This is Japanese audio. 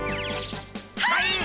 はい！